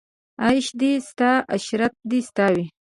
عیش دې ستا عشرت دې ستا وي